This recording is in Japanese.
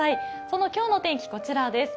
その今日の天気、こちらです。